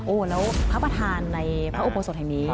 แล้วพระประธานในพระอุโบสถแห่งนี้